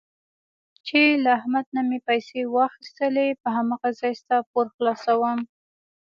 چې له احمد نه مې پیسې واخیستلې په هماغه ځای ستا پور خلاصوم.